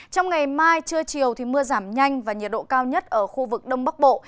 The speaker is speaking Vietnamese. trong ngày mai trưa chiều mưa giảm nhanh và nhiệt độ cao nhất ở khu vực đông bắc bộ